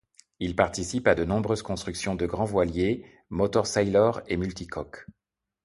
Il participe à de nombreuses constructions de grands voiliers, motor sailor et multicoques.